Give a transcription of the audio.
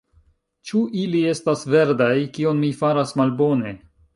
Ĉu ili estas verdaj? Kion mi faras malbone?